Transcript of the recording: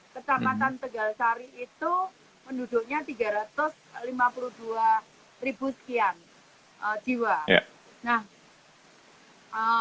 kecamatan tegalsari itu penduduknya tiga ratus lima puluh dua ribu sekian jiwa